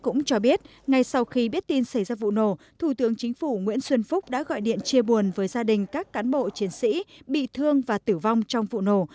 cũng cho biết ngay sau khi biết tin xảy ra vụ nổ thủ tướng chính phủ nguyễn xuân phúc đã gọi điện chia buồn với gia đình các cán bộ chiến sĩ bị thương và tử vong trong vụ nổ